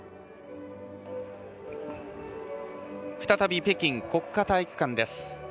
再び北京国家体育館です。